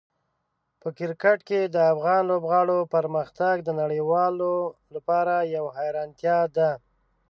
په کرکټ کې د افغان لوبغاړو پرمختګ د نړیوالو لپاره یوه حیرانتیا ده.